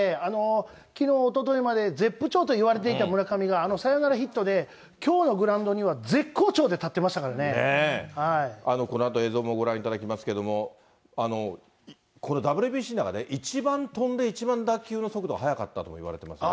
きのう、おとといまで絶不調と言われていた村上が、サヨナラヒットできょうのグラウンドには絶好調で立ってましたかこのあと映像もご覧いただきますけれども、このＷＢＣの中で一番飛んで、一番打球の速度速かったといわれてますね。